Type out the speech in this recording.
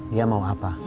dia mau apa